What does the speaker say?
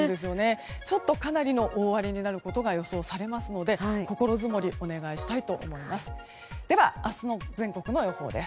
ちょっとかなりの大荒れになることが予想されますので心づもり、お願いしたいです。